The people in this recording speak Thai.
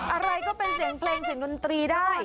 อะไรก็เป็นเสียงเพลงเสียงดนตรีได้